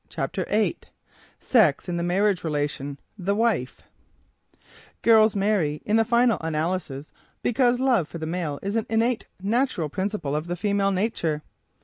CHAPTER VIII SEX IN THE MARRIAGE RELATION THE WIFE Girls marry, in the final analysis, because love for the male is an innate natural principle of the female nature.